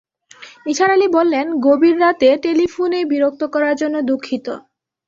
নিসার আলি বললেন, গভীর রাতে টেলিফোনে বিরক্ত করার জন্যে দুঃখিত!